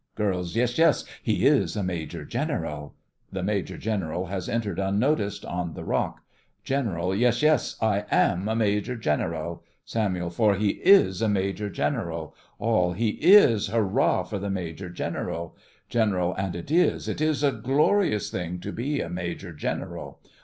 GIRLS: Yes, yes; he is a Major General! (The MAJOR GENERAL has entered unnoticed, on the rock) GENERAL: Yes, yes, I am a Major General! SAMUEL: For he is a Major General! ALL: He is! Hurrah for the Major General! GENERAL: And it is, it is a glorious thing To be a Major General!